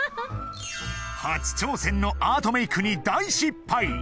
初挑戦のアートメイクに大失敗